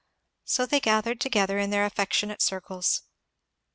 So they gathered together in their affectionate circles.